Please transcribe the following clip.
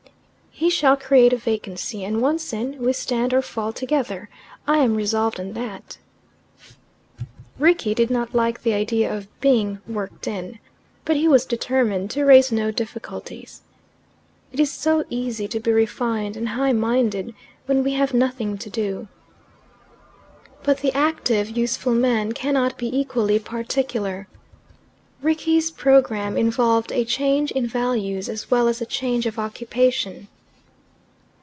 He shall create a vacancy. And once in, we stand or fall together. I am resolved on that." Rickie did not like the idea of being "worked in," but he was determined to raise no difficulties. It is so easy to be refined and high minded when we have nothing to do. But the active, useful man cannot be equally particular. Rickie's programme involved a change in values as well as a change of occupation.